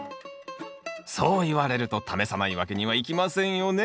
そう言われると試さないわけにはいきませんよね